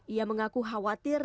ia mengaku khawatir